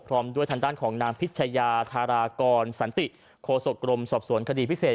พร้อมด้วยทางด้านของนางพิชยาธารากรสันติโคศกรมสอบสวนคดีพิเศษ